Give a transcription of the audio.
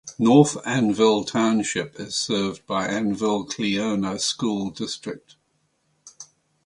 North Annville Township is served by Annville-Cleona School District.